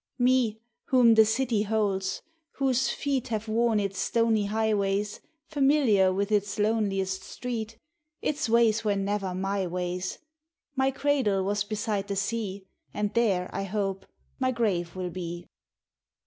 Me, whom the city holds, whose feet Have worn its stony highways, Familiar with its loneliest street — Its ways were never my ways. My cradle was beside the sea, And there, I hope, my grave will be.